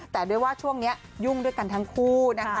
แต่ด้วยว่าช่วงนี้ยุ่งด้วยกันทั้งคู่นะคะ